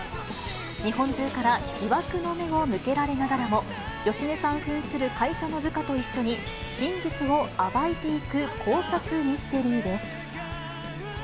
日本中から疑惑の目を向けられながらも、芳根さんふんする会社の部下と一緒に真実を暴いていく考察ミステリーです。